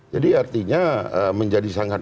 jadi artinya menjadi sangat uang